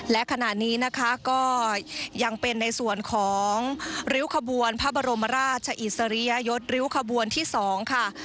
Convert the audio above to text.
และขณะนี้นะคะก็ยังเป็นในส่วนของริ้วขบวนพระบรมราชอิสริยยศริ้วขบวนที่๒ค่ะ